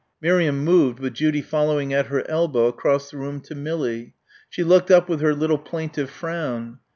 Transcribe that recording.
Miriam moved, with Judy following at her elbow, across the room to Millie. She looked up with her little plaintive frown.